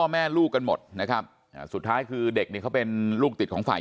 แม่ลูกกันหมดนะครับสุดท้ายคือเด็กนี่เขาเป็นลูกติดของฝ่าย